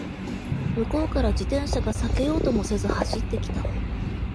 向こうから自転車が避けようともせず走ってきた